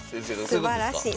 すばらしい。